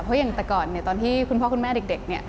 เพราะอย่างตะก่อนตอนที่คุณพ่อคุณแม่เด็ก